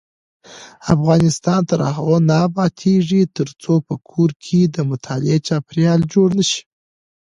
افغانستان تر هغو نه ابادیږي، ترڅو په کور کې د مطالعې چاپیریال جوړ نشي.